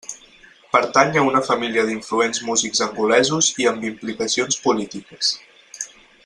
Pertany a una família d'influents músics angolesos i amb implicacions polítiques.